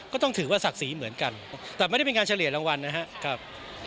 ก็ต้องถือว่าศักดิ์ศรีเหมือนกันแต่ไม่ได้เป็นการเฉลี่ยรางวัลนะครับ